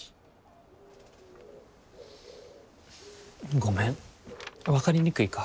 ごめん分かりにくいか。